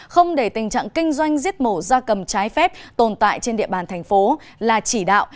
không để tình trạng kinh doanh giết mổ da cầm trái phép tồn tại trên địa bàn thành phố là chỉ đạo